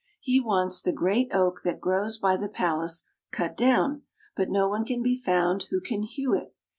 " He wants the great oak that grows by the palace cut down, but no one can be found who can hew it.